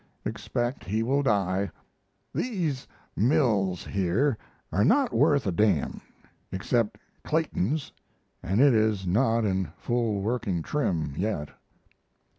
Expect he will die. These mills here are not worth a d n except Clayton's and it is not in full working trim yet.